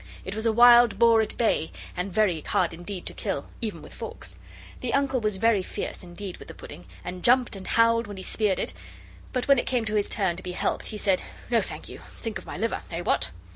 It was a wild boar at bay, and very hard indeed to kill, even with forks. The Uncle was very fierce indeed with the pudding, and jumped and howled when he speared it, but when it came to his turn to be helped, he said, 'No, thank you; think of my liver. Eh! what?